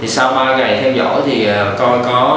sau ba ngày theo dõi con có